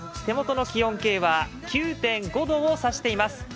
手元の気温計は９．５度をさしています。